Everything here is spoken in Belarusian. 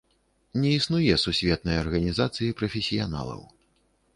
Не існуе сусветнай арганізацыі прафесіяналаў.